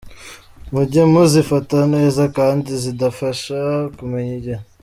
Mujye muzifata neza kandi zidufasha kumenya igihe, .